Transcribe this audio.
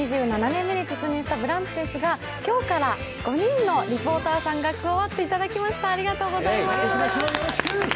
２７年目に突入した「ブランチ」ですが、今日から５人のリポーターさんに加わっていただきました。